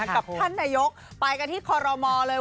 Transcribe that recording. นะค่ะกับท่านนโยคไปกันที่คอลโลหมอเลย